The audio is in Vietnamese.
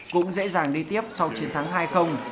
cũng dễ dàng đi tiếp sau chiến thắng hai